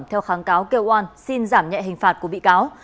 theo kháng cáo kêu oan xin giảm nhẹ hình phạt của bị cáo